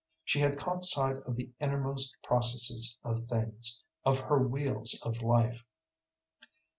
She had caught sight of the innermost processes of things, of her wheels of life.